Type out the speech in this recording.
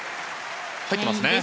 入ってますね。